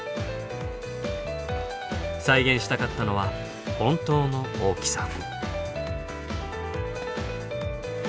再現したかったのは本当の大きさ。